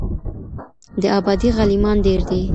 د آبادۍ غلیمان ډیر دي